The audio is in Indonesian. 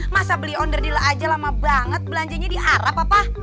masa beli onderdil aja lama banget belanjanya di arab apa